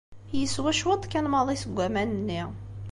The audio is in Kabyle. Yeswa cwiṭ kan maḍi seg waman-nni.